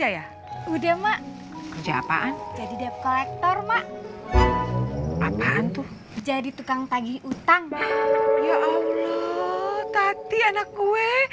ya allah tati anak gue